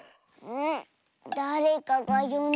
ん？